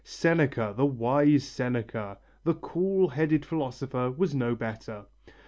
Seneca, the wise Seneca, the cool headed philosopher, was no better.